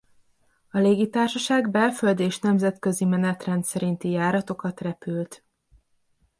A légitársaság belföldi és nemzetközi menetrend szerinti járatokat repült.